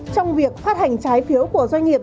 trong việc phát hành trái phiếu của doanh nghiệp